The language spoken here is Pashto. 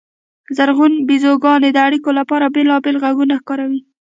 زرغونې بیزوګانې د اړیکو لپاره بېلابېل غږونه کاروي.